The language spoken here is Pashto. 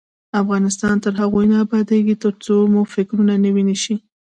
افغانستان تر هغو نه ابادیږي، ترڅو مو فکرونه نوي نشي.